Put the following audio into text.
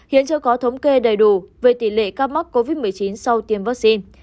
hiện chưa có thống kê đầy đủ về tỷ lệ ca mắc covid một mươi chín sau tiêm vaccine